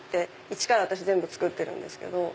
イチから私全部作ってるんですけど。